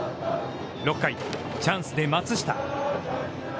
６回、チャンスで松下。